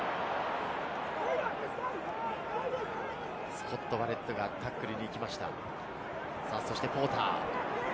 スコット・バレットがタックルに行きました。